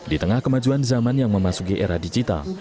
di tengah kemajuan zaman yang memasuki era digital